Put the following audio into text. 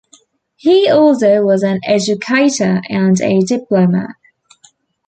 He also was an educator and a diplomat.